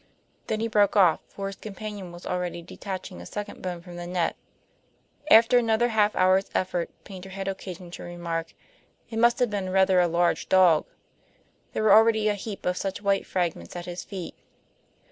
Then he broke off, for his companion was already detaching a second bone from the net. After another half hour's effort Paynter had occasion to remark, "It must have been rather a large dog." There were already a heap of such white fragments at his feet.